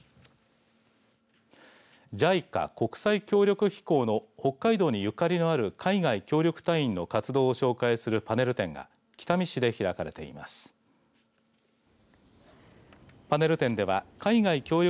ＪＩＣＡ＝国際協力機構の北海道にゆかりのある海外協力隊員の活動を紹介するパネル展が北見市で開かれています。